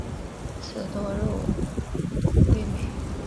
刺多肉味美。